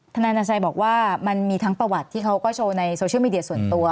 นานชัยบอกว่ามันมีทั้งประวัติที่เขาก็โชว์ในโซเชียลมีเดียส่วนตัว